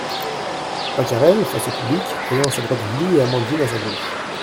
Pacarel face au public, ayant à sa droite Julie et Amandine à sa gauche.